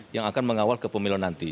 yang akan mengawal kepemiluan nanti